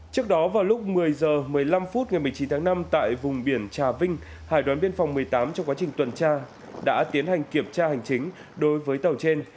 trước đó vào lúc một mươi h một mươi năm phút ngày một mươi chín tháng năm tại vùng biển trà vinh hải đoàn biên phòng một mươi tám trong quá trình tuần tra đã tiến hành kiểm tra hành chính đối với tàu trên